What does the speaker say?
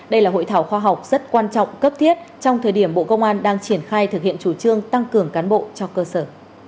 đây là hội thảo khoa học rất quan trọng cấp thiết trong thời điểm bộ công an đang triển khai thực hiện chủ trương tăng cường cán bộ cho cơ sở